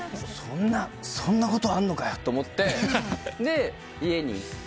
「そんなことあんのかよ」と思って家に行って。